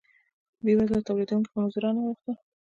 بیوزله تولید کوونکي په مزدورانو واوښتل.